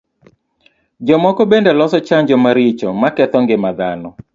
Jomoko bende loso chanjo maricho maketho ngima dhano.